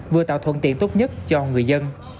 vừa tạo thuận tiện tốt nhất cho người dân